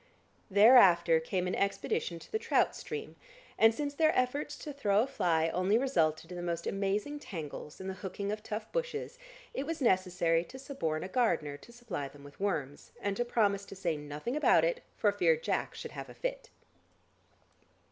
Thereafter came an expedition to the trout stream, and since their efforts to throw a fly only resulted in the most amazing tangles and the hooking of tough bushes, it was necessary to suborn a gardener to supply them with worms, and to promise to say nothing about it, for fear Jack should have a fit.